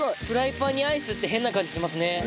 フライパンにアイスって変な感じしますね。